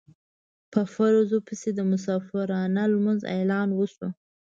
په فرضو پسې د مسافرانه لمانځه اعلان وشو.